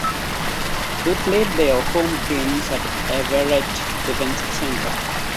They played their home games at Everett Events Center.